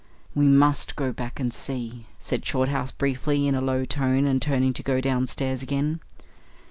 "We must go back and see," said Shorthouse briefly, in a low tone, and turning to go downstairs again.